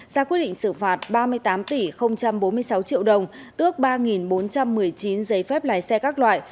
ra quyết định xử phạt ba mươi tám tỷ bốn mươi sáu triệu đồng tước ba bốn trăm một mươi chín giấy phép lái xe các loại